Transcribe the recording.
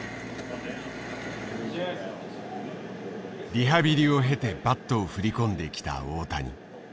リハビリを経てバットを振り込んできた大谷。